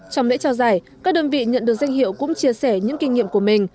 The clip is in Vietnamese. trong lễ trao giải các đơn vị nhận được danh hiệu cũng chia sẻ những kinh nghiệm của mình